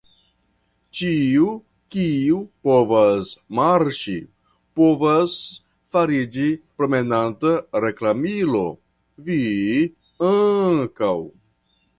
Ĉiu, kiu povas marŝi, povas fariĝi promenanta reklamilo, vi ankaŭ.